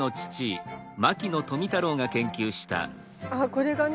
これがね